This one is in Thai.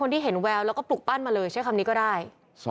ที่เห็นแววแล้วก็ปลุกปั้นมาเลยใช้คำนี้ก็ได้